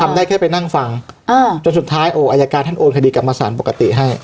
ได้แค่ไปนั่งฟังอ่าจนสุดท้ายโอ้อายการท่านโอนคดีกลับมาสารปกติให้